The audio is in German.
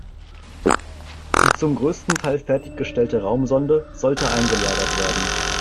Die zum größten Teil fertiggestellte Raumsonde sollte eingelagert werden.